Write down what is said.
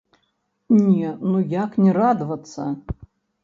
Не, ну як не радавацца?!